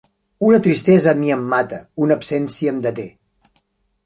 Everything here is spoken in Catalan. Una tristesa a mi em mata, una absència em deté.